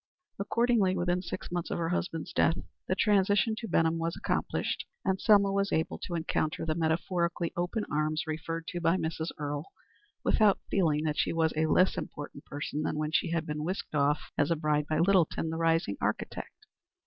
Accordingly, within six months of her husband's death, the transition to Benham was accomplished, and Selma was able to encounter the metaphorically open arms, referred to by Mrs. Earle, without feeling that she was a less important person than when she had been whisked off as a bride by Littleton, the rising architect.